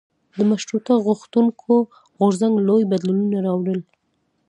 د مشروطه غوښتونکو غورځنګ لوی بدلونونه راوړل.